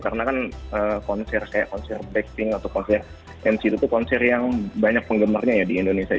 karena kan konser kayak konser backing atau konser mc itu tuh konser yang banyak penggemarnya ya di indonesia